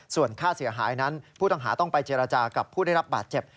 ส่วนค่าเสียหายนั้นผู้ต้องหาต้องไปเจรจากับผู้ได้รับบาดเจ็บ